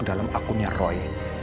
dalam akunnya roy